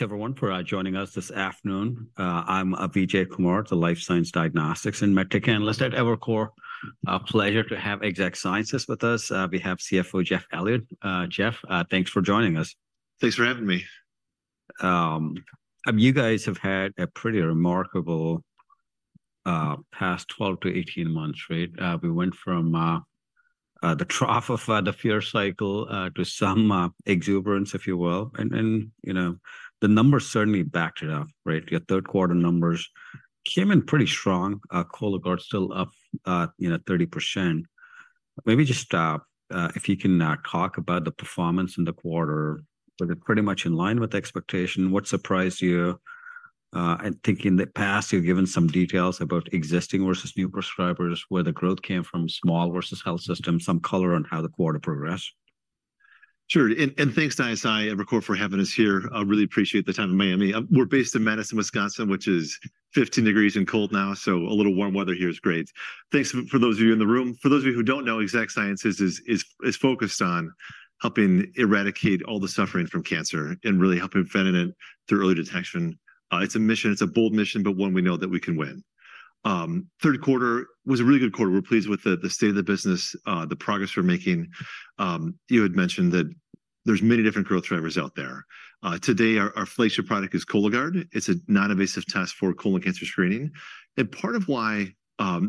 Thanks, everyone, for joining us this afternoon. I'm Vijay Kumar, the life science diagnostics and med tech analyst at Evercore. A pleasure to have Exact Sciences with us. We have CFO Jeff Elliott. Jeff, thanks for joining us. Thanks for having me. You guys have had a pretty remarkable past 12-18 months, right? We went from the trough of the fear cycle to some exuberance, if you will. You know, the numbers certainly backed it up, right? Your third quarter numbers came in pretty strong. Cologuard still up, you know, 30%. Maybe just if you can talk about the performance in the quarter. Was it pretty much in line with the expectation? What surprised you? I think in the past, you've given some details about existing versus new prescribers, where the growth came from, small versus health system. Some color on how the quarter progressed. Sure. Thanks, Evercore ISI, for having us here. I really appreciate the time in Miami. We're based in Madison, Wisconsin, which is 15 degrees and cold now, so a little warm weather here is great. Thanks for those of you in the room. For those of you who don't know, Exact Sciences is focused on helping eradicate all the suffering from cancer and really helping prevent it through early detection. It's a mission. It's a bold mission, but one we know that we can win. Third quarter was a really good quarter. We're pleased with the state of the business, the progress we're making. You had mentioned that there's many different growth drivers out there. Today, our flagship product is Cologuard. It's a non-invasive test for colon cancer screening. Part of why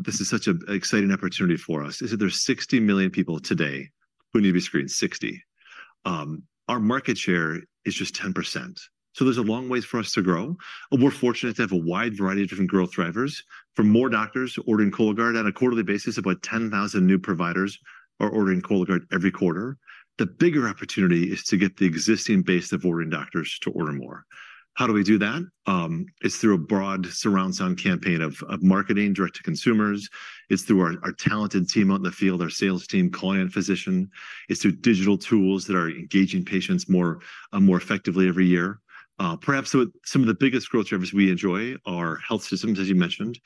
this is such an exciting opportunity for us is that there's 60 million people today who need to be screened. 60. Our market share is just 10%, so there's a long way for us to grow. We're fortunate to have a wide variety of different growth drivers, from more doctors ordering Cologuard. On a quarterly basis, about 10,000 new providers are ordering Cologuard every quarter. The bigger opportunity is to get the existing base of ordering doctors to order more. How do we do that? It's through a broad surround sound campaign of marketing direct to consumers. It's through our talented team out in the field, our sales team, client, physician. It's through digital tools that are engaging patients more effectively every year. Perhaps some of the biggest growth drivers we enjoy are health systems, as you mentioned.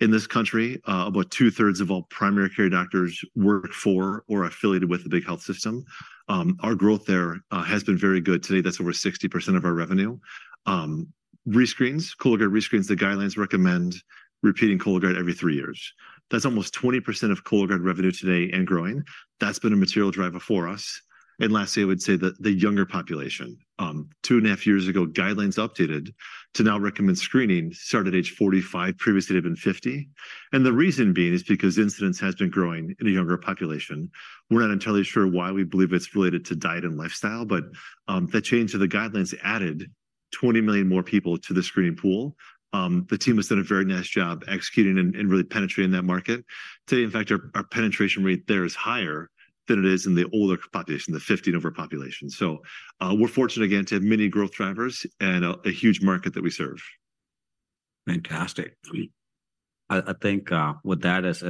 In this country, about 2/3 of all primary care doctors work for or affiliated with a big health system. Our growth there has been very good. Today, that's over 60% of our revenue. Rescreens, Cologuard rescreens, the guidelines recommend repeating Cologuard every three years. That's almost 20% of Cologuard revenue today and growing. That's been a material driver for us. And lastly, I would say the younger population. 2.5 years ago, guidelines updated to now recommend screening start at age 45. Previously, it had been 50, and the reason being is because incidence has been growing in a younger population. We're not entirely sure why. We believe it's related to diet and lifestyle, but the change to the guidelines added 20 million more people to the screening pool. The team has done a very nice job executing and really penetrating that market. Today, in fact, our penetration rate there is higher than it is in the older population, the 50 and over population. So, we're fortunate again to have many growth drivers and a huge market that we serve. Fantastic. I think, with that as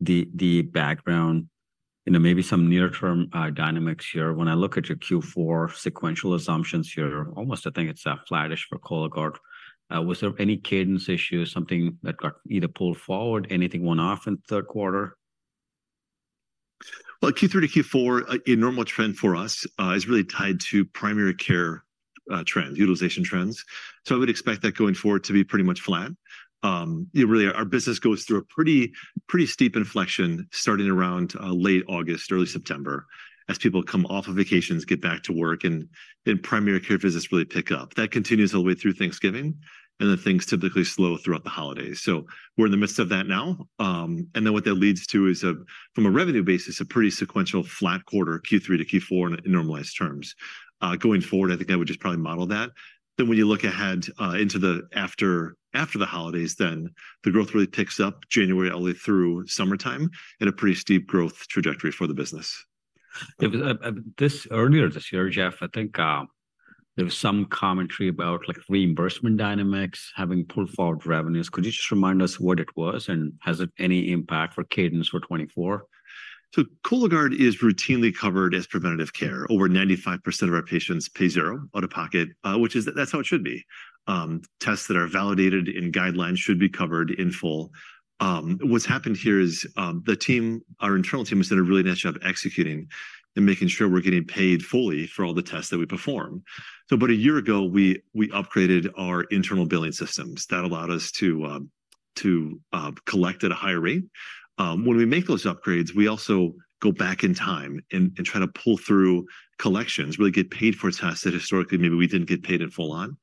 the background, you know, maybe some near-term dynamics here. When I look at your Q4 sequential assumptions here, almost I think it's flattish for Cologuard. Was there any cadence issues, something that got either pulled forward, anything one-off in the third quarter? Well, Q3 to Q4, a normal trend for us is really tied to primary care trends, utilization trends. So I would expect that going forward to be pretty much flat. Really, our business goes through a pretty, pretty steep inflection starting around late August, early September, as people come off of vacations, get back to work, and then primary care visits really pick up. That continues all the way through Thanksgiving, and then things typically slow throughout the holidays. So we're in the midst of that now. And then what that leads to is, from a revenue basis, a pretty sequential flat quarter, Q3 to Q4, in normalized terms. Going forward, I think I would just probably model that. Then when you look ahead into the after the holidays, then the growth really picks up January all the way through summertime at a pretty steep growth trajectory for the business. Earlier this year, Jeff, I think, there was some commentary about, like, reimbursement dynamics having pulled forward revenues. Could you just remind us what it was, and has it any impact for cadence for 2024? So Cologuard is routinely covered as preventative care. Over 95% of our patients pay zero out-of-pocket, which is, that's how it should be. Tests that are validated in guidelines should be covered in full. What's happened here is, the team, our internal team has done a really nice job of executing and making sure we're getting paid fully for all the tests that we perform. So about a year ago, we upgraded our internal billing systems. That allowed us to collect at a higher rate. When we make those upgrades, we also go back in time and try to pull through collections, really get paid for tests that historically maybe we didn't get paid in full on.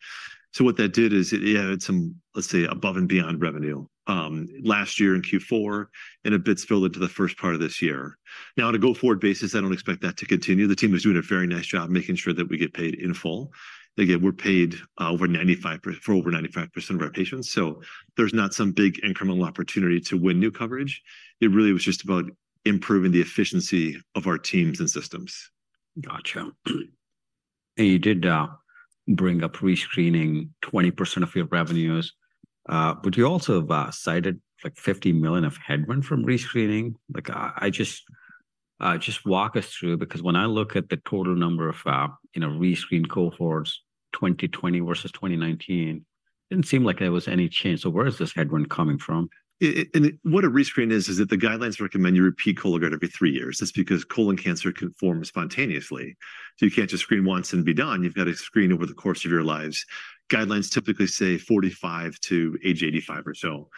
So what that did is it added some, let's say, above and beyond revenue last year in Q4, and a bit spilled into the first part of this year. Now, on a go-forward basis, I don't expect that to continue. The team is doing a very nice job making sure that we get paid in full. Again, we're paid over 95% for over 95% of our patients, so there's not some big incremental opportunity to win new coverage. It really was just about improving the efficiency of our teams and systems. Gotcha. And you did bring up rescreening, 20% of your revenues. But you also cited, like, $50 million of headwind from rescreening. Like, I just walk us through, because when I look at the total number of, you know, rescreened cohorts, 2020 versus 2019 didn't seem like there was any change. So where is this headwind coming from? And what a rescreen is, is that the guidelines recommend you repeat Cologuard every three years. That's because colon cancer can form spontaneously, so you can't just screen once and be done. You've got to screen over the course of your lives. Guidelines typically say 45 to age 85 or so,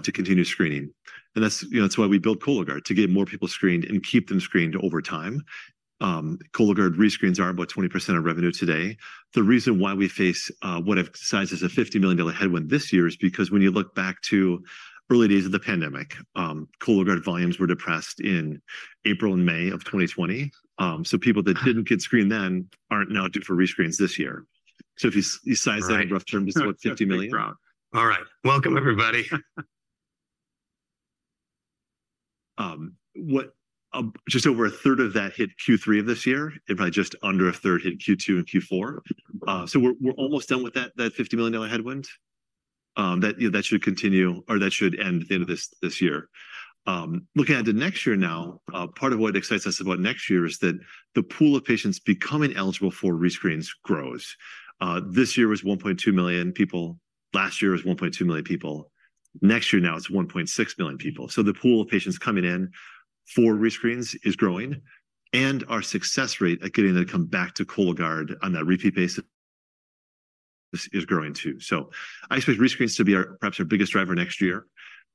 to continue screening. And that's, you know, that's why we built Cologuard, to get more people screened and keep them screened over time. Cologuard rescreens are about 20% of revenue today. The reason why we face what I've sized as a $50 million headwind this year is because when you look back to early days of the pandemic, Cologuard volumes were depressed in April and May of 2020. So people that didn't get screened then aren't now due for rescreens this year. So if you you size that- Right In rough terms, it's about $50 million. All right. Welcome, everybody. What, just over a third of that hit Q3 of this year, and probably just under a third hit Q2 and Q4. So we're almost done with that $50 million headwind. You know, that should continue or that should end at the end of this year. Looking at the next year now, part of what excites us about next year is that the pool of patients becoming eligible for rescreens grows. This year was 1.2 million people, last year was 1.2 million people, next year now it's 1.6 million people. So the pool of patients coming in for rescreens is growing, and our success rate at getting them to come back to Cologuard on that repeat basis is growing, too. So I expect rescreens to be our perhaps our biggest driver next year,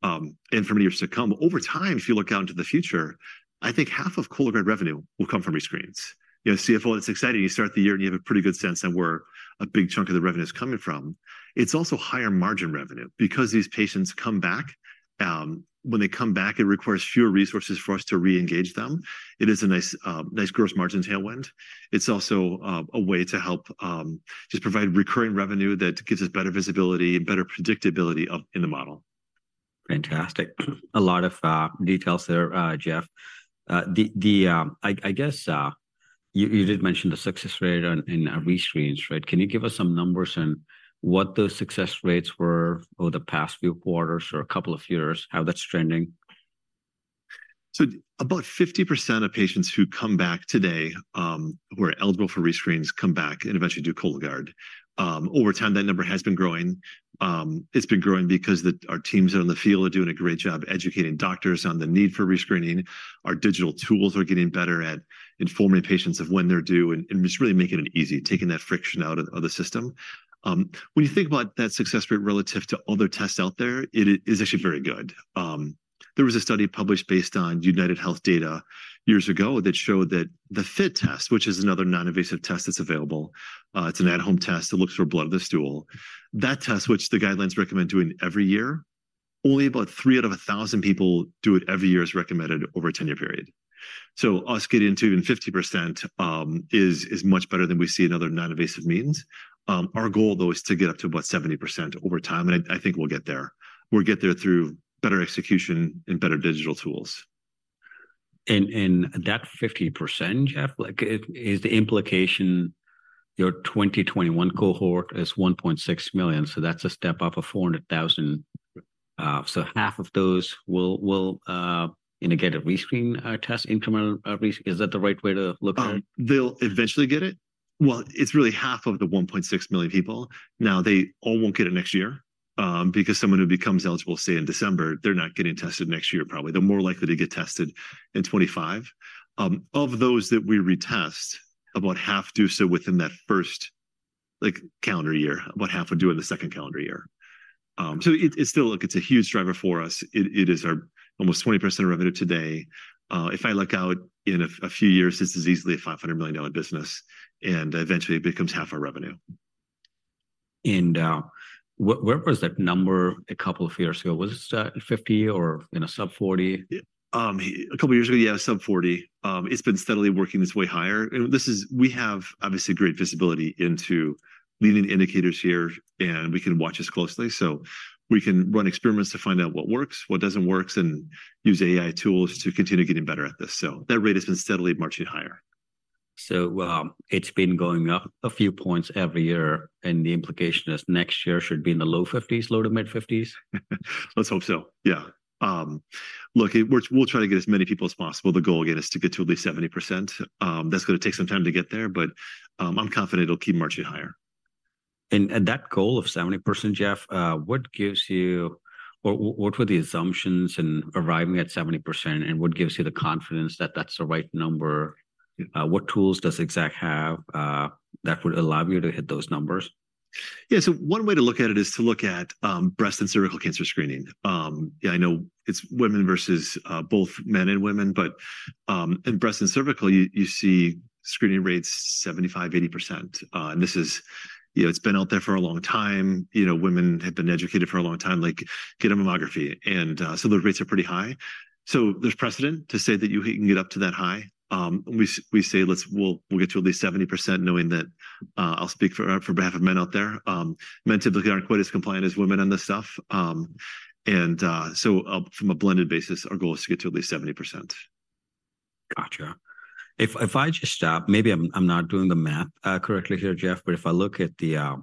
and for many years to come. Over time, if you look out into the future, I think half of Cologuard revenue will come from rescreens. You know, CFO, it's exciting. You start the year, and you have a pretty good sense of where a big chunk of the revenue is coming from. It's also higher margin revenue because these patients come back. When they come back, it requires fewer resources for us to re-engage them. It is a nice, nice gross margin tailwind. It's also a way to help just provide recurring revenue that gives us better visibility and better predictability of in the model. Fantastic. A lot of details there, Jeff. The I guess you did mention the success rate on in rescreens, right? Can you give us some numbers on what those success rates were over the past few quarters or a couple of years, how that's trending? About 50% of patients who come back today, who are eligible for rescreens, come back and eventually do Cologuard. Over time, that number has been growing. It's been growing because our teams out in the field are doing a great job educating doctors on the need for rescreening. Our digital tools are getting better at informing patients of when they're due and, and just really making it easy, taking that friction out of the system. When you think about that success rate relative to other tests out there, it is actually very good. There was a study published based on UnitedHealth data years ago that showed that the FIT test, which is another non-invasive test that's available, it's an at-home test that looks for blood in the stool. That test, which the guidelines recommend doing every year, only about 3 out of 1,000 people do it every year as recommended over a 10-year period. So us getting to even 50% is much better than we see in other non-invasive means. Our goal, though, is to get up to about 70% over time, and I think we'll get there. We'll get there through better execution and better digital tools. And that 50%, Jeff, like, is the implication your 2021 cohort is 1.6 million, so that's a step up of 400,000. Right. So half of those will, you know, get a rescreen test incremental. Is that the right way to look at it? They'll eventually get it. Well, it's really half of the 1.6 million people. Now, they all won't get it next year, because someone who becomes eligible, say, in December, they're not getting tested next year probably. They're more likely to get tested in 2025. Of those that we retest, about half do so within that first, like, calendar year. About half will do it in the second calendar year. So it, it's still look, it's a huge driver for us. It, it is our almost 20% of revenue today. If I look out in a, a few years, this is easily a $500 million business, and eventually it becomes half our revenue. What, where was that number a couple of years ago? Was it 50 or, you know, sub 40? A couple of years ago, yeah, sub-40. It's been steadily working its way higher, and this is. We have obviously great visibility into leading indicators here, and we can watch this closely. So we can run experiments to find out what works, what doesn't works, and use AI tools to continue getting better at this. So that rate has been steadily marching higher. It's been going up a few points every year, and the implication is next year should be in the low 50s, low-to-mid 50s? Let's hope so. Yeah. Look, it, we're, we'll try to get as many people as possible. The goal, again, is to get to at least 70%. That's gonna take some time to get there, but, I'm confident it'll keep marching higher. And that goal of 70%, Jeff, what gives you or what were the assumptions in arriving at 70%, and what gives you the confidence that that's the right number? What tools does Exact have that would allow you to hit those numbers? Yeah, so one way to look at it is to look at breast and cervical cancer screening. Yeah, I know it's women versus both men and women, but in breast and cervical, you see screening rates 75, 80%. And this is You know, it's been out there for a long time. You know, women have been educated for a long time, like, "Get a mammography." And so those rates are pretty high. So there's precedent to say that you can get up to that high. We say we'll get to at least 70%, knowing that, I'll speak on behalf of men out there, men typically aren't quite as compliant as women on this stuff. From a blended basis, our goal is to get to at least 70%. Gotcha. If I just stop, maybe I'm not doing the math correctly here, Jeff, but if I look at the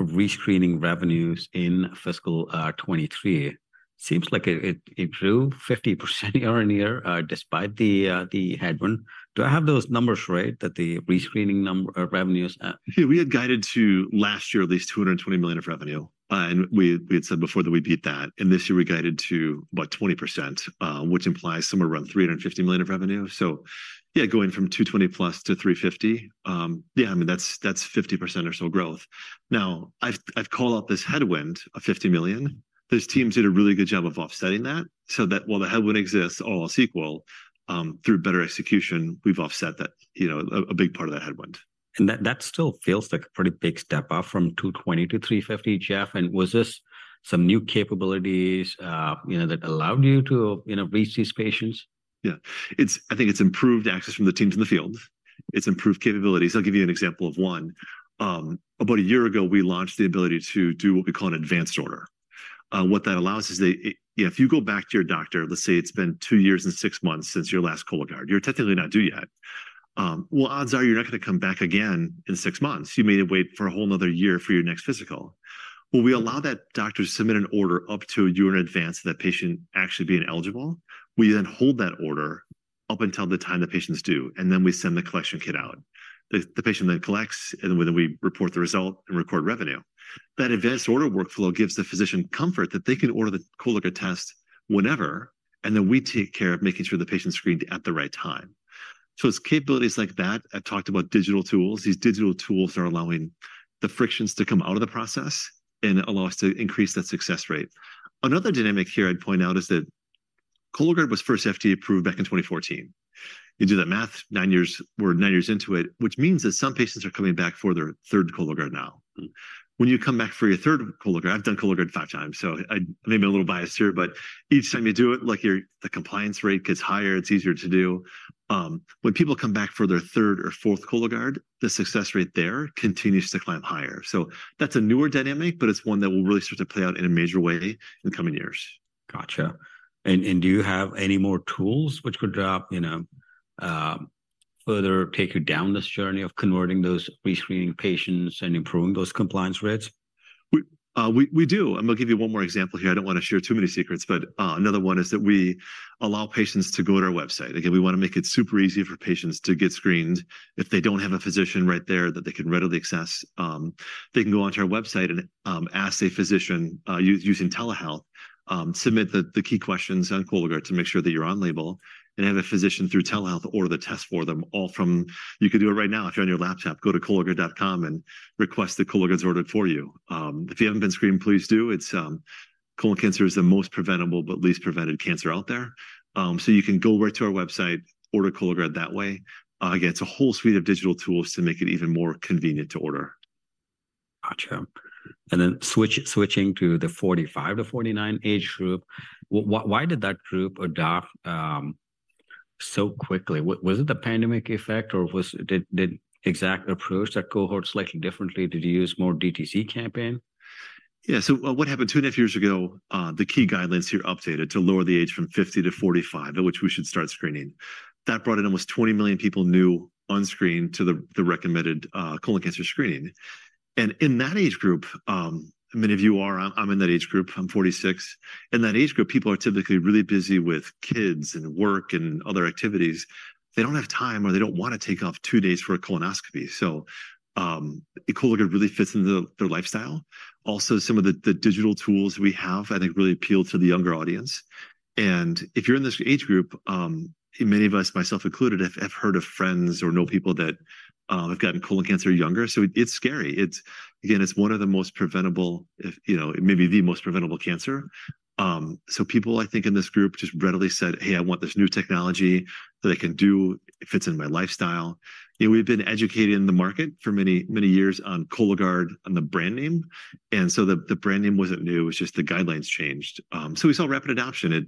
rescreening revenues in fiscal 2023 Seems like it grew 50% year-over-year, despite the headwind. Do I have those numbers right, that the rescreening num- or revenues are? Yeah, we had guided to last year at least $220 million of revenue. We had said before that we beat that. This year we guided to about 20%, which implies somewhere around $350 million of revenue. So yeah, going from $220+ million to $350 million, yeah, I mean, that's 50% or so growth. Now, I've called out this headwind of $50 million. This team did a really good job of offsetting that, so that while the headwind exists, all else equal, through better execution, we've offset that, you know, a big part of that headwind. And that, that still feels like a pretty big step up from 220 to 350, Jeff. And was this some new capabilities, you know, that allowed you to, you know, reach these patients? Yeah. I think it's improved access from the teams in the field. It's improved capabilities. I'll give you an example of one. About a year ago, we launched the ability to do what we call an advanced order. What that allows is that, yeah, if you go back to your doctor, let's say it's been 2 years and 6 months since your last Cologuard, you're technically not due yet. Well, odds are you're not gonna come back again in 6 months. You may wait for a whole another year for your next physical. Well, we allow that doctor to submit an order up to a year in advance of that patient actually being eligible. We then hold that order up until the time the patient is due, and then we send the collection kit out. The patient then collects, and then we report the result and record revenue. That advanced order workflow gives the physician comfort that they can order the Cologuard test whenever, and then we take care of making sure the patient's screened at the right time. So it's capabilities like that. I talked about digital tools. These digital tools are allowing the frictions to come out of the process and allow us to increase that success rate. Another dynamic here I'd point out is that Cologuard was first FDA approved back in 2014. You do that math, nine years. We're nine years into it, which means that some patients are coming back for their third Cologuard now. When you come back for your third Cologuard I've done Cologuard five times, so I may be a little biased here, but each time you do it, like, your, the compliance rate gets higher, it's easier to do. When people come back for their third or fourth Cologuard, the success rate there continues to climb higher. So that's a newer dynamic, but it's one that will really start to play out in a major way in coming years. Gotcha. And, and do you have any more tools which could, you know, further take you down this journey of converting those rescreening patients and improving those compliance rates? We do, and I'll give you one more example here. I don't want to share too many secrets, but another one is that we allow patients to go to our website. Again, we wanna make it super easy for patients to get screened. If they don't have a physician right there that they can readily access, they can go onto our website and ask a physician using telehealth, submit the key questions on Cologuard to make sure that you're on label, and have a physician through telehealth order the test for them, all from. You can do it right now if you're on your laptop. Go to Cologuard.com and request the Cologuard's ordered for you. If you haven't been screened, please do. It's colon cancer is the most preventable but least prevented cancer out there. So you can go right to our website, order Cologuard that way. Again, it's a whole suite of digital tools to make it even more convenient to order. Gotcha. And then switching to the 45-49 age group, why did that group adopt so quickly? Was it the pandemic effect, or did Exact approach that cohort slightly differently? Did you use more DTC campaign? Yeah, so, what happened 2.5 years ago, the key guidelines here updated to lower the age from 50 to 45, at which we should start screening. That brought in almost 20 million people new unscreened to the recommended colon cancer screening. And in that age group, many of you are. I'm in that age group, I'm 46. In that age group, people are typically really busy with kids, and work, and other activities. They don't have time or they don't wanna take off two days for a colonoscopy, so, Cologuard really fits into their lifestyle. Also, some of the digital tools we have, I think, really appeal to the younger audience. And if you're in this age group, many of us, myself included, have heard of friends or know people that have gotten colon cancer younger, so it, it's scary. It's again, it's one of the most preventable, if, you know, maybe the most preventable cancer. So people, I think, in this group just readily said, "Hey, I want this new technology that I can do. It fits in my lifestyle." You know, we've been educating the market for many, many years on Cologuard and the brand name, and so the brand name wasn't new, it was just the guidelines changed. So we saw rapid adoption, and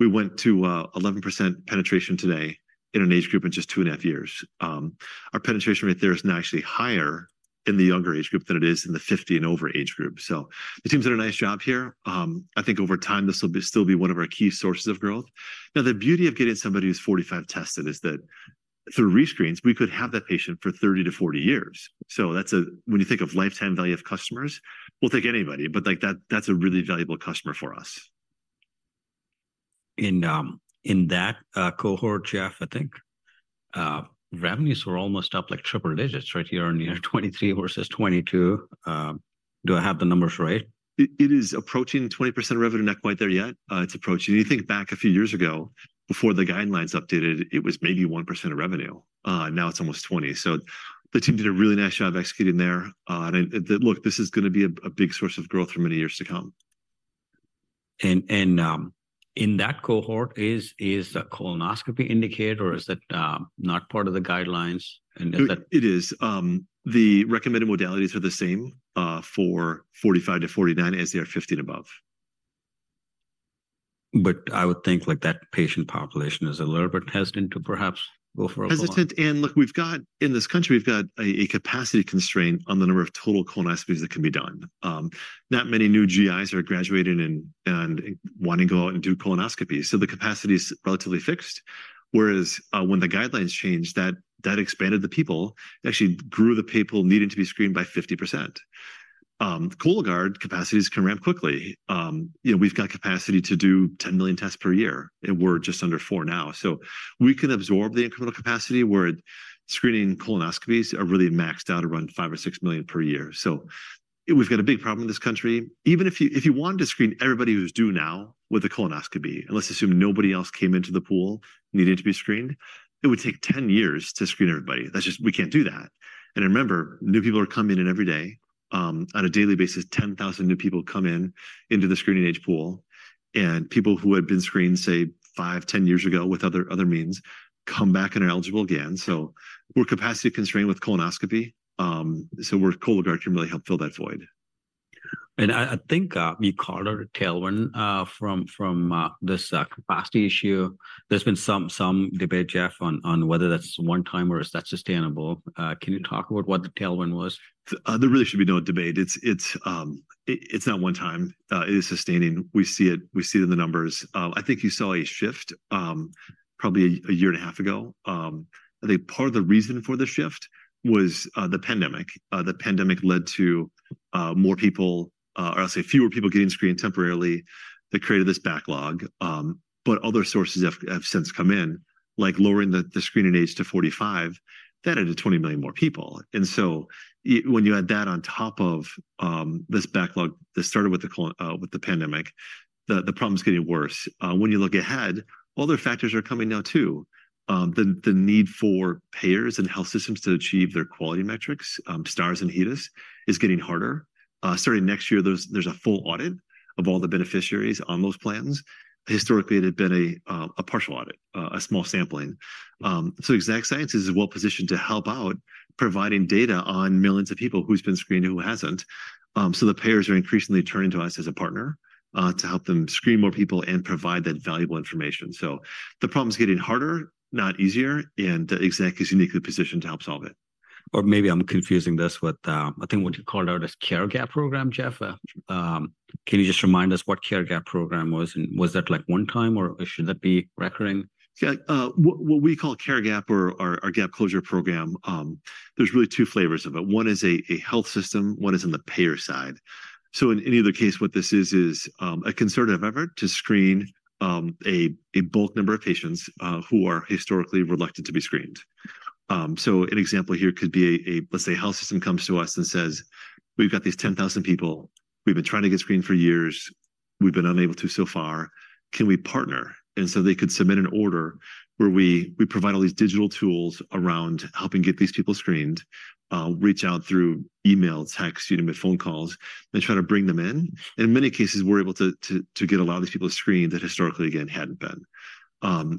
we went to 11% penetration today in an age group in just 2.5 years. Our penetration rate there is now actually higher in the younger age group than it is in the 50 and over age group. So the team's done a nice job here. I think over time, this will still be one of our key sources of growth. Now, the beauty of getting somebody who's 45 tested is that through rescreens, we could have that patient for 30 to 40 years. So that's a, when you think of lifetime value of customers, we'll take anybody, but, like, that, that's a really valuable customer for us. In that cohort, Jeff, I think revenues were almost up like triple digits, right? year-on-year, 2023 versus 2022. Do I have the numbers right? It is approaching 20% revenue, not quite there yet. It's approaching. You think back a few years ago, before the guidelines updated, it was maybe 1% of revenue. Now it's almost 20. So the team did a really nice job of executing there. Look, this is gonna be a big source of growth for many years to come. In that cohort, is a colonoscopy indicated, or is that not part of the guidelines? And is that- It is. The recommended modalities are the same, for 45 to 49 as they are 50 and above. I would think, like, that patient population is a little bit hesitant to perhaps go for a colon Look, we've got in this country, we've got a capacity constraint on the number of total colonoscopies that can be done. Not many new GIs are graduating and wanting to go out and do colonoscopies, so the capacity is relatively fixed. Whereas, when the guidelines changed, that expanded the people. It actually grew the people needing to be screened by 50%. Cologuard capacities can ramp quickly. You know, we've got capacity to do 10 million tests per year, and we're just under four now. So we can absorb the incremental capacity, where screening colonoscopies are really maxed out around five or six million per year. So we've got a big problem in this country. Even if you, if you wanted to screen everybody who's due now with a colonoscopy, and let's assume nobody else came into the pool needing to be screened, it would take 10 years to screen everybody. That's just. We can't do that. And remember, new people are coming in every day. On a daily basis, 10,000 new people come in, into the screening age pool, and people who had been screened, say, five, 10 years ago with other, other means, come back and are eligible again. So we're capacity constrained with colonoscopy. Cologuard can really help fill that void. I think you called out a tailwind from this capacity issue. There's been some debate, Jeff, on whether that's one time or is that sustainable. Can you talk about what the tailwind was? There really should be no debate. It's not one time, it is sustaining. We see it in the numbers. I think you saw a shift probably a year and a half ago. I think part of the reason for the shift was the pandemic. The pandemic led to more people, or I'll say fewer people getting screened temporarily that created this backlog. But other sources have since come in, like lowering the screening age to 45. That added 20 million more people. And so when you add that on top of this backlog that started with the pandemic, the problem's getting worse. When you look ahead, other factors are coming now, too. The need for payers and health systems to achieve their quality metrics, Stars and HEDIS, is getting harder. Starting next year, there's a full audit of all the beneficiaries on those plans. Historically, it had been a partial audit, a small sampling. So Exact Sciences is well positioned to help out, providing data on millions of people, who's been screened, and who hasn't. So the payers are increasingly turning to us as a partner to help them screen more people and provide that valuable information. So the problem's getting harder, not easier, and Exact is uniquely positioned to help solve it. Or maybe I'm confusing this with, I think what you called out as care gap program, Jeff. Can you just remind us what care gap program was, and was that, like, one time, or should that be recurring? Yeah. What we call Care Gap or our Gap Closure Program, there's really two flavors of it. One is a health system, one is on the payer side. So in either case, what this is, is a concerted effort to screen a bulk number of patients who are historically reluctant to be screened. So an example here could be, let's say, a health system comes to us and says, "We've got these 10,000 people. We've been trying to get screened for years. We've been unable to so far. Can we partner?" And so they could submit an order where we provide all these digital tools around helping get these people screened, reach out through email, text, even phone calls, and try to bring them in. In many cases, we're able to get a lot of these people screened that historically, again, hadn't been.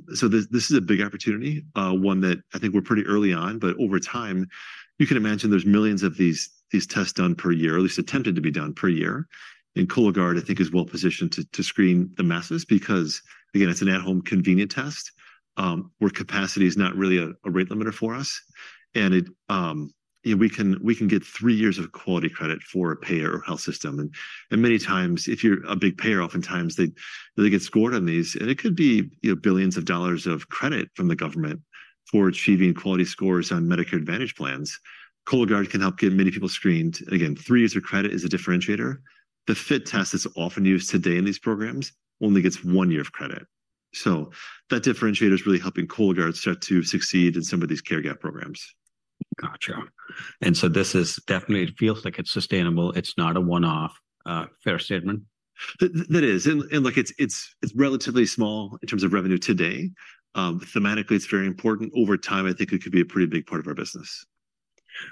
This is a big opportunity, one that I think we're pretty early on, but over time, you can imagine there's millions of these tests done per year, at least attempted to be done per year. Cologuard, I think, is well positioned to screen the masses because, again, it's an at-home convenient test, where capacity is not really a rate limiter for us. It you know, we can get three years of quality credit for a payer or health system, and many times, if you're a big payer, oftentimes they get scored on these. It could be, you know, $ billions of credit from the government for achieving quality scores on Medicare Advantage plans. Cologuard can help get many people screened. Again, three years of credit is a differentiator. The FIT test that's often used today in these programs only gets one year of credit. So that differentiator is really helping Cologuard start to succeed in some of these care gap programs. Gotcha. And so this is definitely, it feels like it's sustainable. It's not a one-off, fair statement? That is, and look it's, it's relatively small in terms of revenue today. Thematically, it's very important. Over time, I think it could be a pretty big part of our business.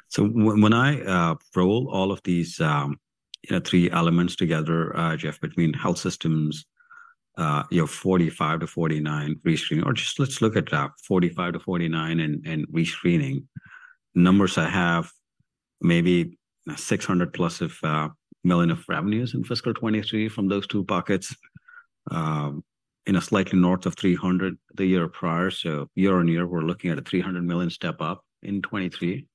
So when, when I, roll all of these, you know, three elements together, Jeff, between health systems, you know, 45 to 49 rescreen, or just let's look at that 45 to 49 and, and rescreening. Numbers I have, maybe $600+ million of revenues in fiscal 2023 from those two buckets, and a slightly north of $300 million the year prior. So year-on-year, we're looking at a $300 million step-up in 2023.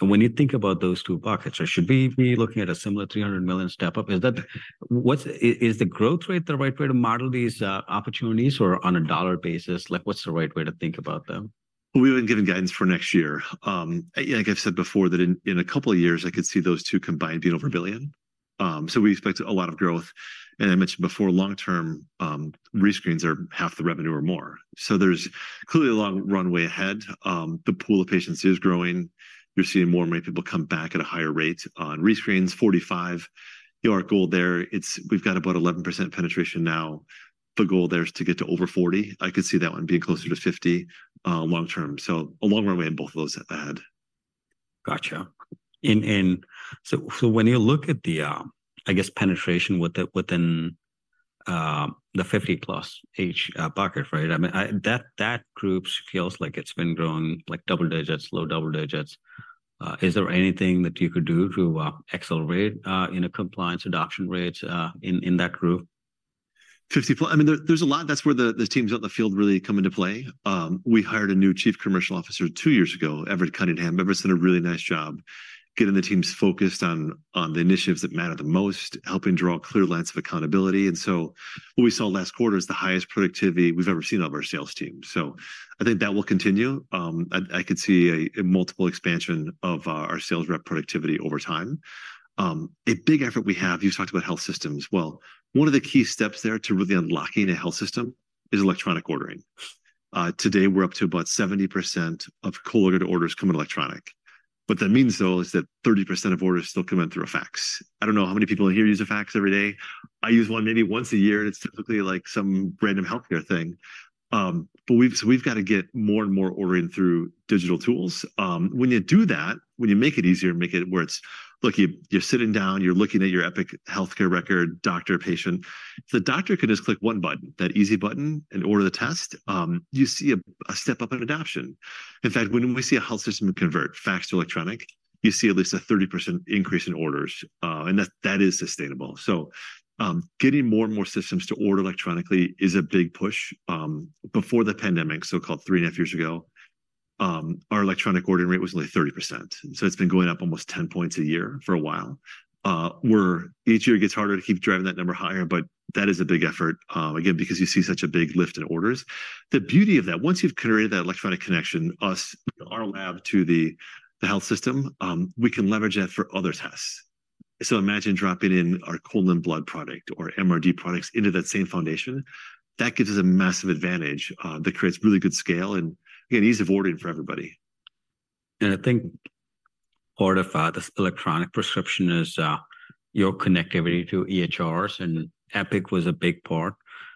And when you think about those two buckets, should we be looking at a similar $300 million step-up? Is the growth rate the right way to model these, opportunities, or on a dollar basis, like, what's the right way to think about them? We've been giving guidance for next year. Like I've said before, that in a couple of years, I could see those two combined being over $1 billion. So we expect a lot of growth. And I mentioned before, long-term, rescreens are half the revenue or more. So there's clearly a long runway ahead. The pool of patients is growing. You're seeing more and more people come back at a higher rate on rescreens. 45, you know, our goal there, it's we've got about 11% penetration now. The goal there is to get to over 40. I could see that one being closer to 50, long term. So a long runway in both of those at the head. Gotcha. And so when you look at the, I guess, penetration within the 50-plus age bucket, right? I mean, that group feels like it's been growing, like double digits, low double digits. Is there anything that you could do to accelerate, you know, compliance adoption rates in that group? I mean, there, there's a lot. That's where the teams out in the field really come into play. We hired a new chief commercial officer two years ago, Everett Cunningham. Everett's done a really nice job getting the teams focused on the initiatives that matter the most, helping draw clear lines of accountability. And so what we saw last quarter is the highest productivity we've ever seen out of our sales team, so I think that will continue. I could see a multiple expansion of our sales rep productivity over time. A big effort we have, you talked about health systems. Well, one of the key steps there to really unlocking a health system is electronic ordering. Today, we're up to about 70% of Cologuard orders come in electronic. What that means, though, is that 30% of orders still come in through a fax. I don't know how many people in here use a fax every day. I use one maybe once a year, and it's typically, like, some random healthcare thing. But so we've got to get more and more ordering through digital tools. When you do that, when you make it easier and make it where it's look, you, you're sitting down, you're looking at your Epic healthcare record, doctor, patient. The doctor can just click one button, that easy button, and order the test. You see a step up in adoption. In fact, when we see a health system convert fax to electronic, you see at least a 30% increase in orders, and that is sustainable. So, getting more and more systems to order electronically is a big push. Before the pandemic, so-called 3.5 years ago, our electronic ordering rate was only 30%, so it's been going up almost 10 points a year for a while. Each year, it gets harder to keep driving that number higher, but that is a big effort, again, because you see such a big lift in orders. The beauty of that, once you've created that electronic connection, us, our lab, to the health system, we can leverage that for other tests. So imagine dropping in our colon blood product or MRD products into that same foundation. That gives us a massive advantage, that creates really good scale and, again, ease of ordering for everybody. I think part of this electronic prescription is your connectivity to EHRs, and Epic was a big part.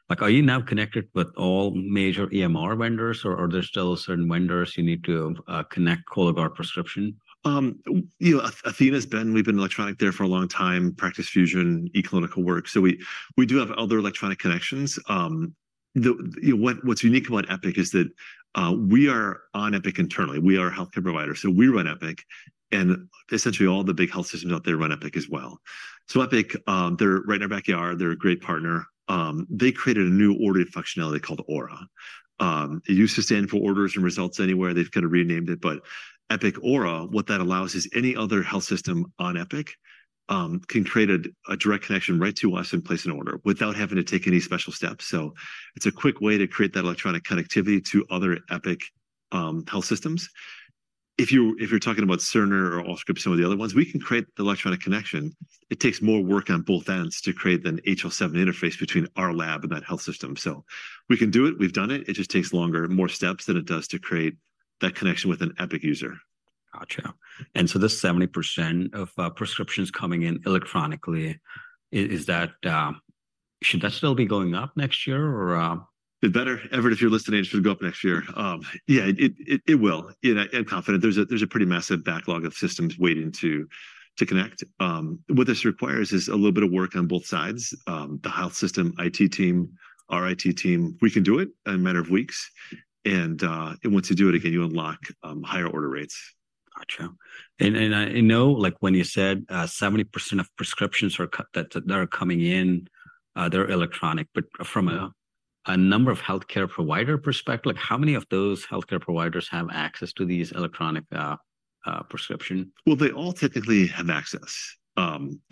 Like, are you now connected with all major EMR vendors, or are there still certain vendors you need to connect Cologuard prescription? You know, athenahealth's been we've been electronic there for a long time, Practice Fusion, eClinicalWorks, so we do have other electronic connections. You know, what's unique about Epic is that we are on Epic internally. We are a healthcare provider, so we run Epic, and essentially, all the big health systems out there run Epic as well. So Epic, they're right in our backyard. They're a great partner. They created a new ordering functionality called Aura. It used to stand for Orders and Results Anywhere. They've kind of renamed it, but Epic Aura, what that allows is any other health system on Epic can create a direct connection right to us and place an order without having to take any special steps. So it's a quick way to create that electronic connectivity to other Epic health systems. If you're talking about Cerner or Allscripts, some of the other ones, we can create the electronic connection. It takes more work on both ends to create an HL7 interface between our lab and that health system, so we can do it. We've done it. It just takes longer, more steps than it does to create that connection with an Epic user. Gotcha. And so this 70% of prescriptions coming in electronically, is that should that still be going up next year or It better, Everett, if you're listening, it should go up next year. Yeah, it will. You know, I'm confident. There's a pretty massive backlog of systems waiting to connect. What this requires is a little bit of work on both sides. The health system IT team, our IT team, we can do it in a matter of weeks, and once you do it again, you unlock higher order rates. Gotcha. I know, like, when you said 70% of prescriptions are coming in, they're electronic. But from a number of healthcare provider perspective, like, how many of those healthcare providers have access to these electronic prescription? Well, they all technically have access.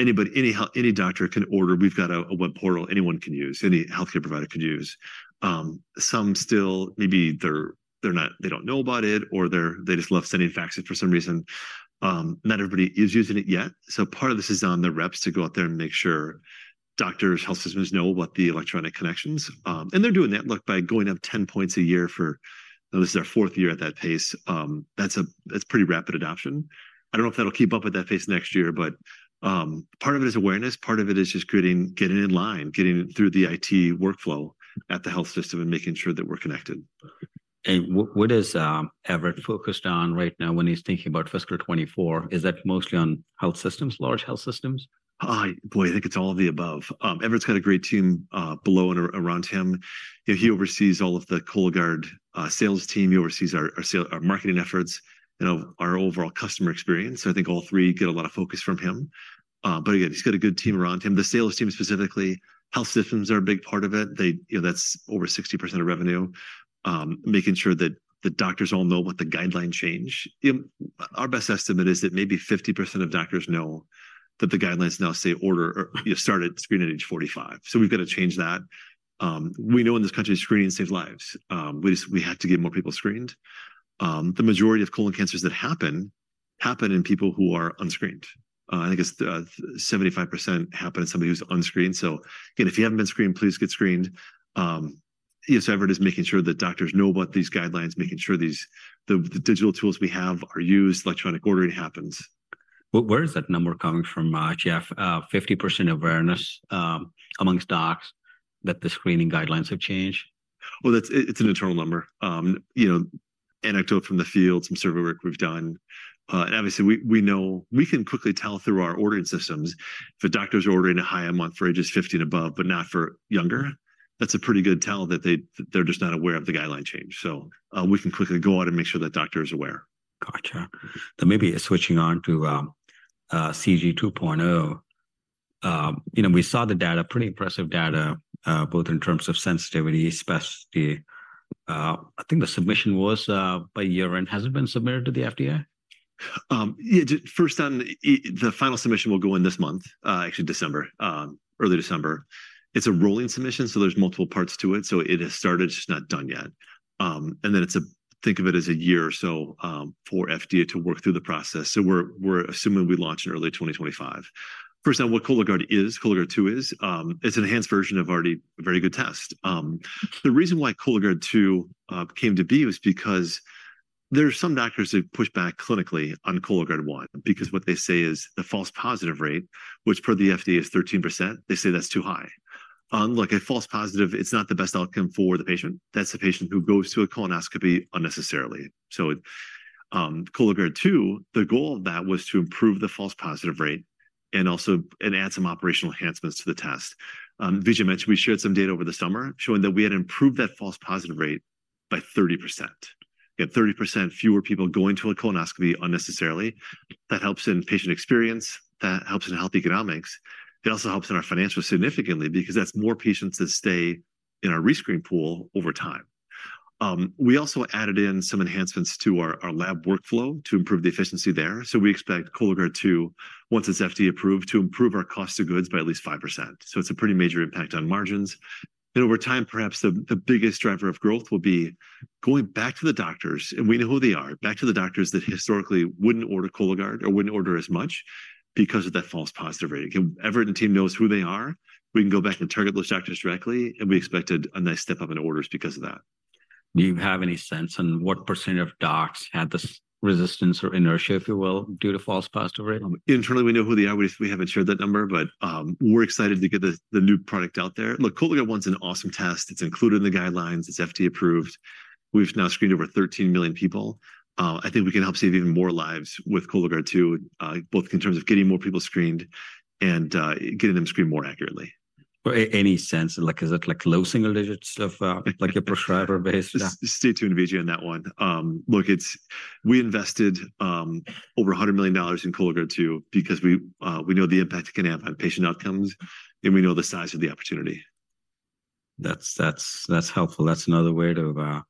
Anybody, any doctor can order. We've got a web portal anyone can use, any healthcare provider can use. Some still, maybe they're not-- they don't know about it, or they're-- they just love sending faxes for some reason. Not everybody is using it yet, so part of this is on the reps to go out there and make sure doctors, health systems know about the electronic connections. And they're doing that, look, by going up 10 points a year for This is our fourth year at that pace. That's pretty rapid adoption. I don't know if that'll keep up with that pace next year, but part of it is awareness, part of it is just getting in line, getting through the IT workflow at the health system and making sure that we're connected. What is Everett focused on right now when he's thinking about fiscal 2024? Is that mostly on health systems, large health systems? Boy, I think it's all of the above. Everett's got a great team below and around him. You know, he oversees all of the Cologuard sales team. He oversees our sales, our marketing efforts, you know, our overall customer experience, so I think all three get a lot of focus from him. But again, he's got a good team around him. The sales team, specifically, health systems are a big part of it. They, you know, that's over 60% of revenue. Making sure that the doctors all know what the guideline change. Our best estimate is that maybe 50% of doctors know that the guidelines now say order or, you know, start a screen at age 45. So we've got to change that. We know in this country, screening saves lives. We have to get more people screened. The majority of colon cancers that happen, happen in people who are unscreened. I think it's 75% happen in somebody who's unscreened. So again, if you haven't been screened, please get screened. Yes, Everett is making sure that doctors know about these guidelines, making sure the digital tools we have are used, electronic ordering happens. Where is that number coming from, Jeff? 50% awareness among docs that the screening guidelines have changed. Well, that's it, it's an internal number. You know, anecdote from the field, some survey work we've done. And obviously, we know we can quickly tell through our ordering systems. If a doctor's ordering a high a month for ages 50 and above, but not for younger, that's a pretty good tell that they, they're just not aware of the guideline change. So, we can quickly go out and make sure that doctor is aware. Gotcha. Then maybe switching on to Cologuard 2.0. You know, we saw the data, pretty impressive data, both in terms of sensitivity, specificity. I think the submission was by year-end. Has it been submitted to the FDA? Yeah, first on, the final submission will go in this month, actually December, early December. It's a rolling submission, so there's multiple parts to it, so it has started, it's just not done yet. And then think of it as a year or so for FDA to work through the process. So we're assuming we launch in early 2025. First time, what Cologuard is, Cologuard two is, it's an enhanced version of already a very good test. The reason why Cologuard two came to be was because there are some doctors who pushed back clinically on Cologuard one, because what they say is the false positive rate, which per the FDA is 13%, they say that's too high. Look, a false positive, it's not the best outcome for the patient. That's the patient who goes to a colonoscopy unnecessarily. So, Cologuard 2.0, the goal of that was to improve the false positive rate and also, and add some operational enhancements to the test. Vijay mentioned we shared some data over the summer, showing that we had improved that false positive rate by 30%. We had 30% fewer people going to a colonoscopy unnecessarily. That helps in patient experience, that helps in health economics, it also helps in our financials significantly because that's more patients that stay in our re-screen pool over time. We also added in some enhancements to our, our lab workflow to improve the efficiency there. So we expect Cologuard 2.0, once it's FDA approved, to improve our cost of goods by at least 5%. So it's a pretty major impact on margins. Over time, perhaps the biggest driver of growth will be going back to the doctors, and we know who they are, back to the doctors that historically wouldn't order Cologuard or wouldn't order as much because of that false positive rate. Everyone in the team knows who they are. We can go back and target those doctors directly, and we expected a nice step up in orders because of that. Do you have any sense on what percentage of docs had this resistance or inertia, if you will, due to false positive rate? Internally, we know who they are. We haven't shared that number, but we're excited to get the new product out there. Look, Cologuard 1's an awesome test. It's included in the guidelines. It's FDA approved. We've now screened over 13 million people. I think we can help save even more lives with Cologuard 2, both in terms of getting more people screened and getting them screened more accurately. Any sense, like, is it, like, low single digits of, like a prescriber base? Stay tuned, Vijay, on that one. Look, we invested over $100 million in Cologuard 2 because we know the impact it can have on patient outcomes, and we know the size of the opportunity. That's helpful. That's another way to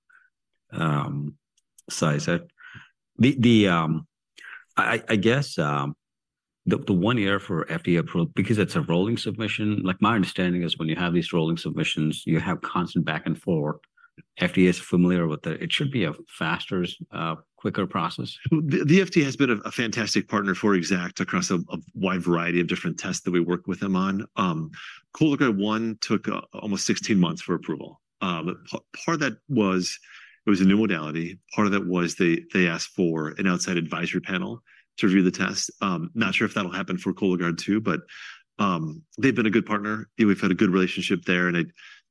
size it. I guess the one year for FDA approval, because it's a rolling submission, like, my understanding is when you have these rolling submissions, you have constant back and forth. FDA is familiar with it. It should be a faster, quicker process. The FDA has been a fantastic partner for Exact Sciences across a wide variety of different tests that we work with them on. Cologuard 1 took almost 16 months for approval. Part of that was it was a new modality. Part of it was they asked for an outside advisory panel to review the test. I'm not sure if that'll happen for Cologuard 2, but they've been a good partner. We've had a good relationship there, and I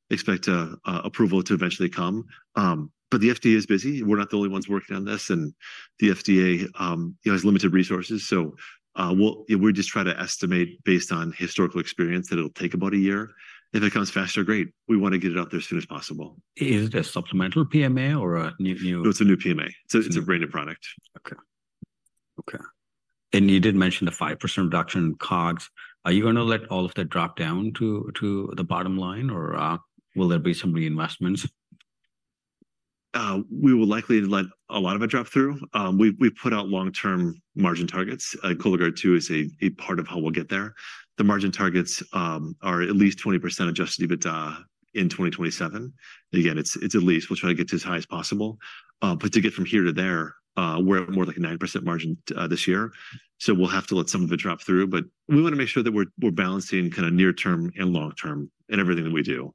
expect an approval to eventually come. But the FDA is busy. We're not the only ones working on this, and the FDA, you know, has limited resources. So, we're just trying to estimate based on historical experience, that it'll take about a year. If it comes faster, great. We want to get it out there as soon as possible. Is it a supplemental PMA or a new, new- No, it's a new PMA. It's- It's a branded product. Okay. Okay. And you did mention the 5% reduction in COGS. Are you gonna let all of that drop down to the bottom line, or will there be some reinvestments? We will likely let a lot of it drop through. We've put out long-term margin targets. Cologuard two is a part of how we'll get there. The margin targets are at least 20% Adjusted EBITDA in 2027. Again, it's at least. We'll try to get to as high as possible. But to get from here to there, we're at more like a 9% margin this year, so we'll have to let some of it drop through. But we wanna make sure that we're balancing kind of near term and long term in everything that we do.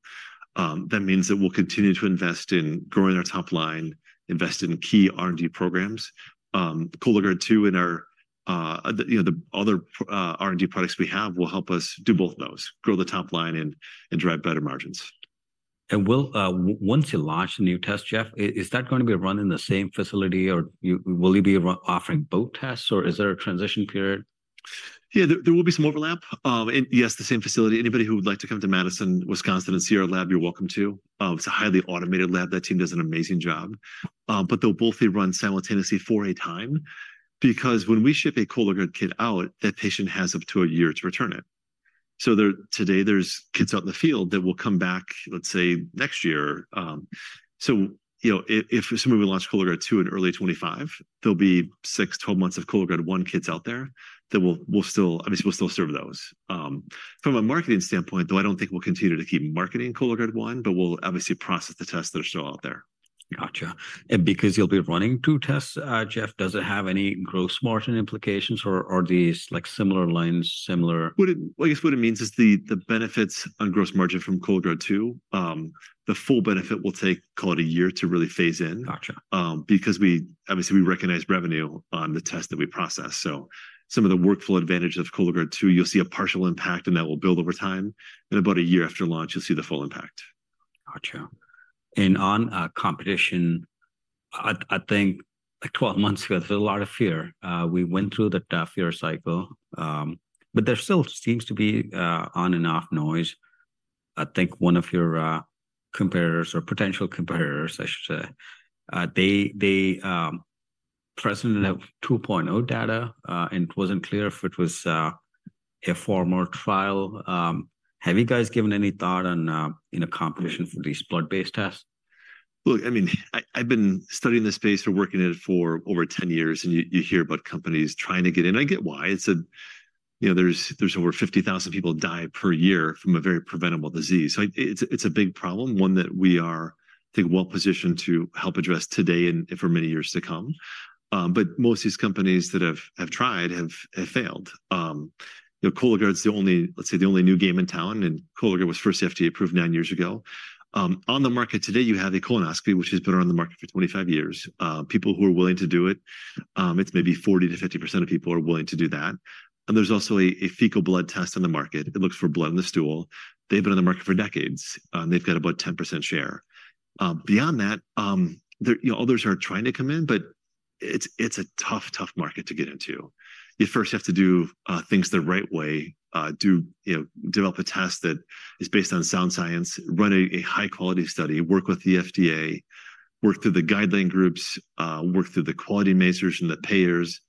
That means that we'll continue to invest in growing our top line, invest in key R&D programs. Cologuard 2 and our, you know, the other R&D products we have will help us do both of those, grow the top line and, and drive better margins. And will, once you launch the new test, Jeff, is that gonna be run in the same facility, or will you be offering both tests, or is there a transition period? Yeah, there will be some overlap. And yes, the same facility. Anybody who would like to come to Madison, Wisconsin, and see our lab, you're welcome to. It's a highly automated lab. That team does an amazing job. But they'll both be run simultaneously for a time, because when we ship a Cologuard kit out, that patient has up to a year to return it. So, today, there's kits out in the field that will come back, let's say, next year. So you know, if assuming we launch Cologuard 2.0 in early 2025, there'll be 6-12 months of Cologuard one kits out there that we'll still-- obviously, we'll still serve those. From a marketing standpoint, though, I don't think we'll continue to keep marketing Cologuard one, but we'll obviously process the tests that are still out there. Gotcha. And because you'll be running two tests, Jeff, does it have any gross margin implications, or are these, like, similar lines, similar- What it—I guess what it means is the, the benefits on gross margin from Cologuard two, the full benefit will take, call it a year, to really phase in. Gotcha. Because we obviously recognize revenue on the test that we process. So some of the workflow advantages of Cologuard 2.0, you'll see a partial impact, and that will build over time, and about a year after launch, you'll see the full impact. Gotcha. And on competition, I think like 12 months ago, there was a lot of fear. We went through the fear cycle, but there still seems to be on and off noise. I think one of your competitors, or potential competitors, I should say, they presented a 2.0 data, and it wasn't clear if it was a formal trial. Have you guys given any thought on in a competition for these blood-based tests? Look, I mean, I've been studying this space or working in it for over 10 years, and you hear about companies trying to get in. I get why. You know, there's over 50,000 people die per year from a very preventable disease. So it's a big problem, one that we are, I think, well-positioned to help address today and for many years to come. But most of these companies that have tried have failed. You know, Cologuard's the only, let's say, the only new game in town, and Cologuard was first FDA-approved nine years ago. On the market today, you have a colonoscopy, which has been on the market for 25 years. People who are willing to do it, it's maybe 40%-50% of people are willing to do that. There's also a fecal blood test on the market. It looks for blood in the stool. They've been on the market for decades, and they've got about 10% share. Beyond that, you know, others are trying to come in, but it's a tough market to get into. You first have to do things the right way, you know, develop a test that is based on sound science, run a high-quality study, work with the FDA, work through the guideline groups, work through the quality measures and the payers,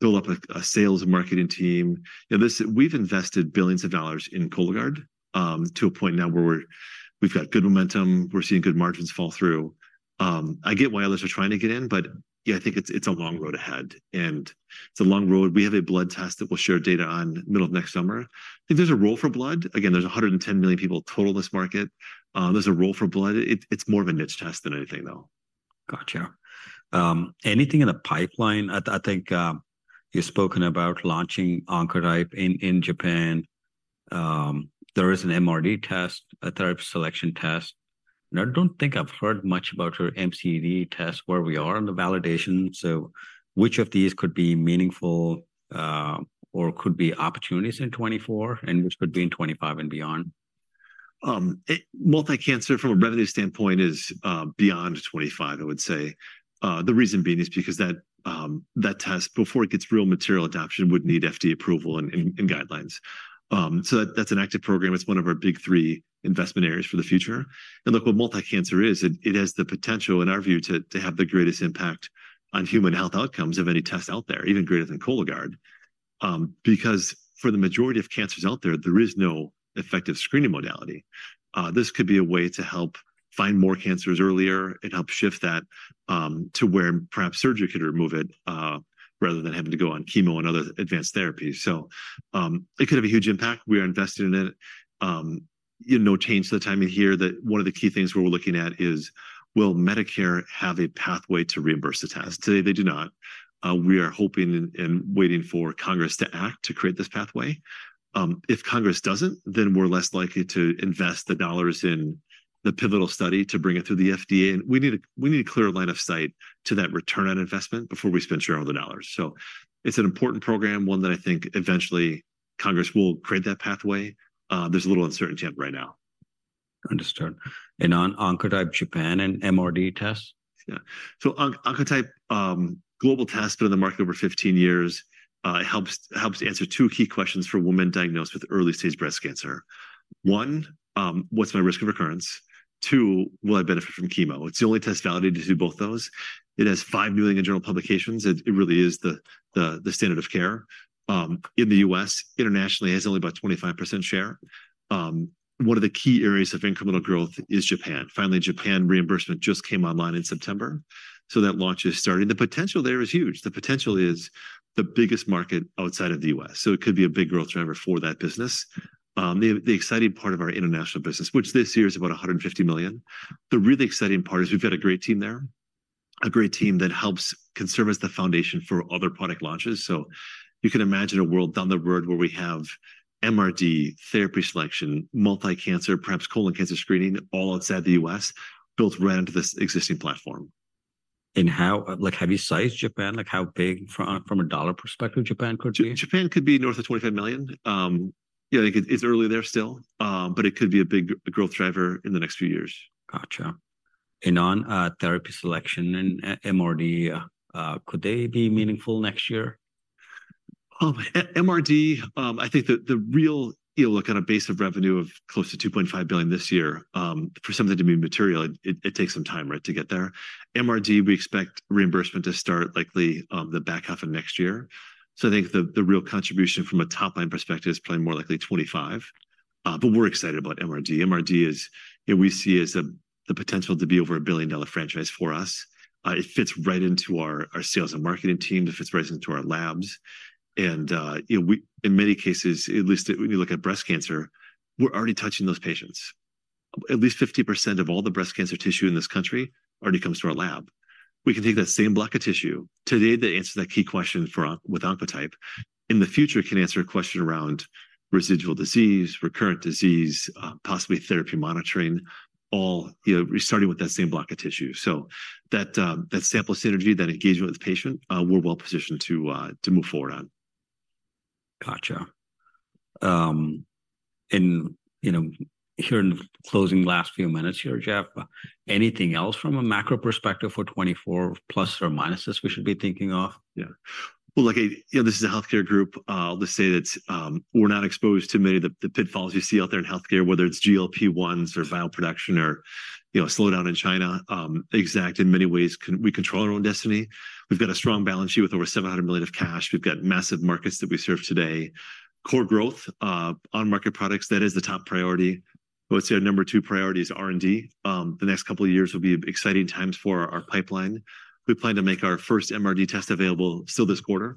build up a sales and marketing team. You know, this we've invested $ billions in Cologuard, to a point now where we've got good momentum. We're seeing good margins fall through. I get why others are trying to get in, but, yeah, I think it's, it's a long road ahead, and it's a long road. We have a blood test that we'll share data on middle of next summer. I think there's a role for blood. Again, there's 110 million people total in this market. There's a role for blood. It's, it's more of a niche test than anything, though. Gotcha. Anything in the pipeline? I think you've spoken about launching Oncotype in Japan. There is an MRD test, a therapy selection test, and I don't think I've heard much about your MCD test, where we are on the validation. So which of these could be meaningful or could be opportunities in 2024, and which could be in 2025 and beyond? Multi-cancer, from a revenue standpoint, is beyond 25, I would say. The reason being is because that test, before it gets real material adoption, would need FDA approval and guidelines. So that's an active program. It's one of our big three investment areas for the future. And look, what multi-cancer is, it has the potential, in our view, to have the greatest impact on human health outcomes of any test out there, even greater than Cologuard. Because for the majority of cancers out there, there is no effective screening modality. This could be a way to help find more cancers earlier and help shift that to where perhaps surgery could remove it, rather than having to go on chemo and other advanced therapies. So it could have a huge impact. We are invested in it. You know, no change to the timing here, that one of the key things where we're looking at is: Will Medicare have a pathway to reimburse the test? Today, they do not. We are hoping and, and waiting for Congress to act to create this pathway. If Congress doesn't, then we're less likely to invest the dollars in the pivotal study to bring it through the FDA. And we need a, we need a clear line of sight to that return on investment before we spend several hundred. So it's an important program, one that I think eventually Congress will create that pathway. There's a little uncertainty on it right now. Understood. And on Oncotype Japan and MRD test? Yeah. So Oncotype, global test, been on the market over 15 years, helps answer two key questions for women diagnosed with early-stage breast cancer. 1, what's my risk of recurrence? two, will I benefit from chemo? It's the only test validated to do both those. It has five million internal publications. It really is the standard of care in the U.S. Internationally, it has only about 25% share. One of the key areas of incremental growth is Japan. Finally, Japan reimbursement just came online in September, so that launch is starting. The potential there is huge. The potential is the biggest market outside of the U.S., so it could be a big growth driver for that business. The exciting part of our international business, which this year is about $150 million, the really exciting part is we've got a great team there, a great team that can serve as the foundation for other product launches. So you can imagine a world down the road where we have MRD, therapy selection, multi-cancer, perhaps colon cancer screening, all outside the U.S., built right into this existing platform. How like, have you sized Japan? Like, how big from a dollar perspective Japan could be? Japan could be north of 25 million. Yeah, I think it's early there still, but it could be a big growth driver in the next few years. Gotcha. And on therapy selection and MRD, could they be meaningful next year? MRD, I think the, the real you know, look, on a base of revenue of close to $2.5 billion this year, for something to be material, it, it, it takes some time, right, to get there. MRD, we expect reimbursement to start likely, the back half of next year. So I think the, the real contribution from a top-line perspective is probably more likely 2025. But we're excited about MRD. MRD is - you know, we see as the, the potential to be over a billion-dollar franchise for us. It fits right into our, our sales and marketing team. It fits right into our labs and, you know, we-- in many cases, at least when you look at breast cancer, we're already touching those patients. At least 50% of all the breast cancer tissue in this country already comes to our lab. We can take that same block of tissue. Today, they answer that key question for Oncotype. In the future, it can answer a question around residual disease, recurrent disease, possibly therapy monitoring, all, you know, starting with that same block of tissue. So that sample synergy, that engagement with the patient, we're well positioned to move forward on. Gotcha. You know, here in the closing last few minutes here, Jeff, anything else from a macro perspective for 2024 plus or minuses we should be thinking of? Yeah. Well, like, you know, this is a healthcare group. Let's say that, we're not exposed to many of the pitfalls you see out there in healthcare, whether it's GLP-1s or vial production or, you know, slowdown in China. Exact in many ways, we control our own destiny. We've got a strong balance sheet with over $700 million of cash. We've got massive markets that we serve today. Core growth, on market products, that is the top priority. I would say our number two priority is R&D. The next couple of years will be exciting times for our pipeline. We plan to make our first MRD test available still this quarter,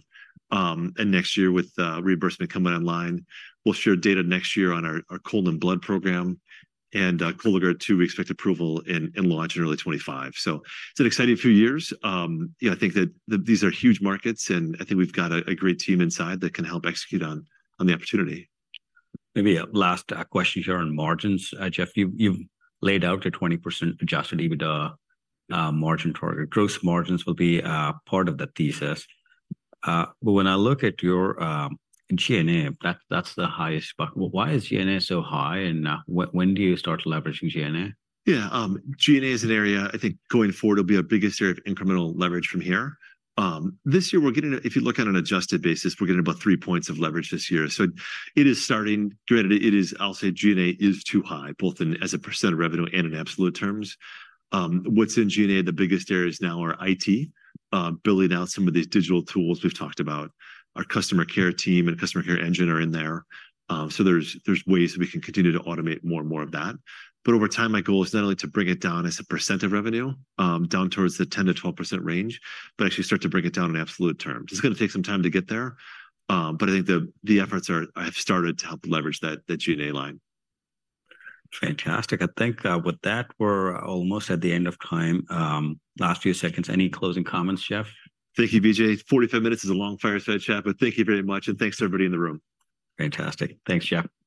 and next year with, reimbursement coming online. We'll share data next year on our colon blood program, and Cologuard two, we expect approval and launch in early 2025. So it's an exciting few years. You know, I think that these are huge markets, and I think we've got a great team inside that can help execute on the opportunity. Maybe a last question here on margins. Jeff, you've, you've laid out a 20% Adjusted EBITDA margin target. Gross margins will be part of the thesis. But when I look at your G&A, that's, that's the highest spot. Why is G&A so high, and when, when do you start leveraging G&A? Yeah, G&A is an area I think going forward will be our biggest area of incremental leverage from here. This year, we're getting. If you look at an adjusted basis, we're getting about 3 points of leverage this year. So it is starting. Granted, it is I'll say G&A is too high, both in as a percent of revenue and in absolute terms. What's in G&A? The biggest areas now are IT, building out some of these digital tools we've talked about. Our customer care team and customer care engine are in there. So there are ways that we can continue to automate more and more of that. But over time, my goal is not only to bring it down as a percent of revenue, down towards the 10%-12% range, but actually start to bring it down in absolute terms. It's gonna take some time to get there, but I think the efforts have started to help leverage that, the G&A line. Fantastic. I think, with that, we're almost at the end of time. Last few seconds, any closing comments, Jeff? Thank you, Vijay. 45 minutes is a long fireside chat, but thank you very much, and thanks to everybody in the room. Fantastic. Thanks, Jeff. See you.